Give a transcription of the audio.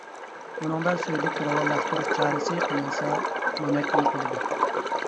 بۇنىڭدا سۈيدۈك راۋانلاشتۇرۇش چارىسى قىلىنسا مونەك يوقىلىدۇ.